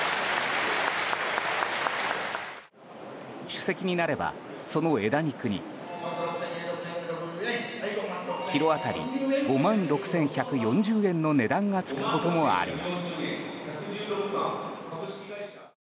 首席になれば、その枝肉にキロ当たり５万６１４０円の値段が付くこともあります。